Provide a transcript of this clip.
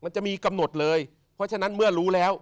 มันจะมีกำหนดเลยเพราะฉะนั้นเมื่อรู้แล้ว